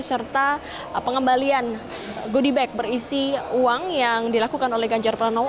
serta pengembalian goodie bag berisi uang yang dilakukan oleh ganjar pranowo